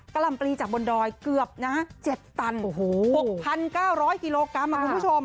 ลำปลีจากบนดอยเกือบนะ๗ตัน๖๙๐๐กิโลกรัมคุณผู้ชม